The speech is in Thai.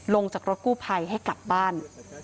ลงจากรถกู้ภัยให้กลับบ้าน